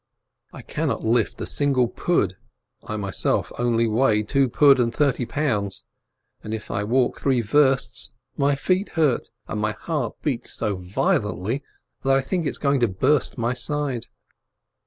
I cannot lift a single pud (I myself only weigh two pud and thirty pounds), and if I walk three versts, my feet hurt, and my heart beats so violently that I think it's going to burst my side.